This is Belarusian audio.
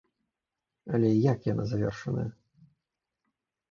Але як яна завершаная?